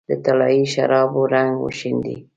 د طلايي شرابو رنګ وشیندې